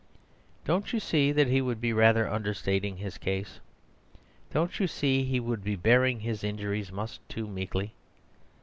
Don't you see that he would be rather understating his case? Don't you see he would be bearing his injuries much too meekly?